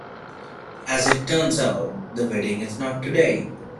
As it turns out, the wedding is not today.